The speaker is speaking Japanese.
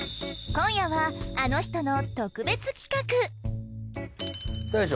今夜はあの人の特別企画大将。